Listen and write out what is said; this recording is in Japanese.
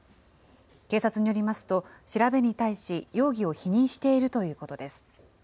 警察によりますと、調べに対し容疑を否認しているということです。